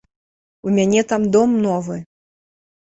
У мяне там дом новы.